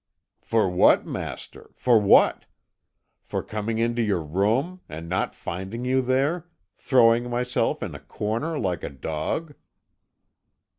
"For what, master, for what? For coming into your room, and not finding you there, throwing myself in a corner like a dog?"